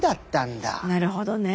なるほどね。